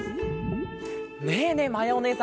ねえねえ